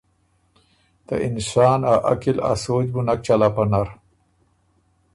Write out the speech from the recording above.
ته انسان ا عقل ا سوچ بُو نک چلا پۀ نر۔